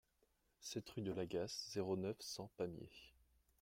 sept rue de l'Agasse, zéro neuf, cent, Pamiers